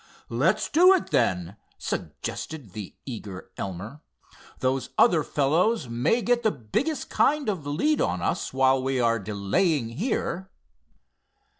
"Let's do it, then," suggested the eager Elmer. "Those other fellows may get the biggest kind of a lead on us while we are delaying here."